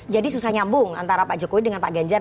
jadi susah nyambung antara pak jokowi dengan pak ganjar